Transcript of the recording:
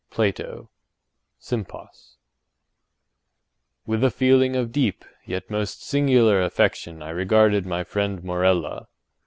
—PLATO—_Sympos_. With a feeling of deep yet most singular affection I regarded my friend Morella.